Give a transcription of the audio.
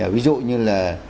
ví dụ như là